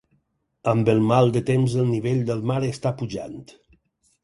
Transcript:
Amb el mal de temps el nivell del mar està pujant.